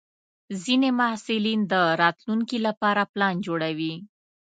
ځینې محصلین د راتلونکي لپاره پلان جوړوي.